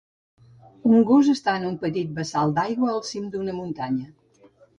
Un gos està en un petit bassal d'aigua al cim d'una muntanya.